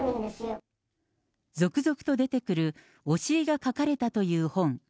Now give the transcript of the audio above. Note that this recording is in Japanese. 続々と出てくる教えが書かれたという本。